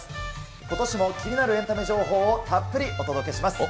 ことしも気になるエンタメ情報をたっぷりお届けします。